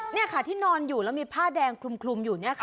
นี่ค่ะที่นอนอยู่แล้วมีผ้าแดงคลุมอยู่เนี่ยค่ะ